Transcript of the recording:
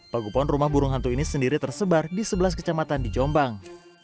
pagupon rumah burung hantu ini sendiri tersebar di sebelas kecamatan di jombang